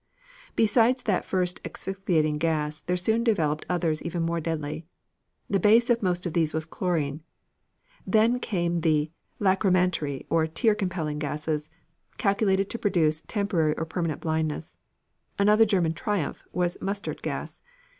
Besides that first asphyxiating gas, there soon developed others even more deadly. The base of most of these was chlorine. Then came the lachrymatory or "tear compelling" gases, calculated to produce temporary or permanent blindness. Another German "triumph" was mustard gas.